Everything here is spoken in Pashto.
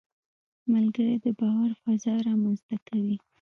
ملګری د باور فضا رامنځته کوي